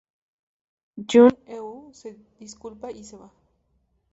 Jung Eun se disculpa y se va.